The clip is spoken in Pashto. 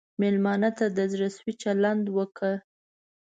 مېلمه ته د زړه سوي چلند وکړه.